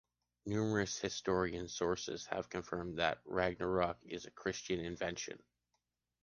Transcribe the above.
Numerous Historians’ sources have confirmed that Ragnarök is a Christian invention.